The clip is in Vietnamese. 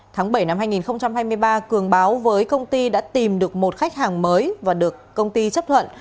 tháng bảy năm hai nghìn hai mươi ba cường báo với công ty đã tìm được một khách hàng mới và được công ty chấp thuận